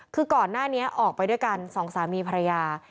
คือก่อนหน้านี้ออกไปด้วยกันสองสามีภรรยา